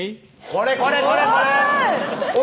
これこれこれこれ！